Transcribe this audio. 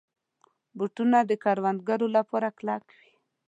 بوټونه د کروندګرو لپاره کلک وي.